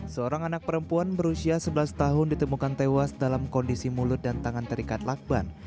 seorang anak perempuan berusia sebelas tahun ditemukan tewas dalam kondisi mulut dan tangan terikat lakban